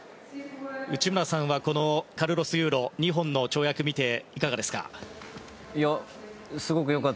内村さんはカルロス・ユーロの２本の跳躍を見ていかがですか？